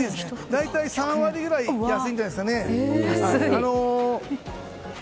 大体３割くらい安いんじゃないですかね。